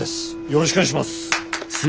よろしくお願いします！